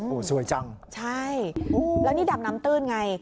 โอ้โหสวยจังใช่แล้วนี่ดำน้ำตื้นไง